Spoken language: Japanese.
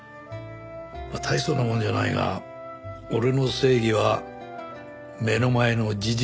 まあ大層なもんじゃないが俺の正義は目の前の事実と向き合い